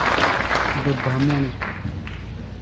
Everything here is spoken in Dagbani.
Bɛ bahi mɔni.